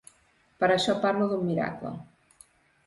Per això parlo d’un miracle.